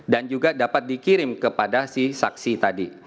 dan juga dapat dikirim kepada si saksi tadi